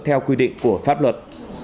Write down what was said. theo quy định của pháp luật